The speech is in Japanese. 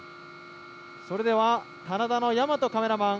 それでは棚田の大和カメラマン。